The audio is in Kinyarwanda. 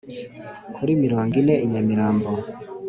Kuri mirongo ine i Nyamirambo